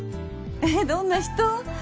えっどんな人？